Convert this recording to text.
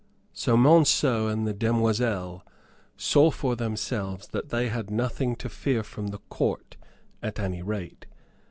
So Monceux and the demoiselle saw for themselves that they had nothing to fear from the Court, at any rate.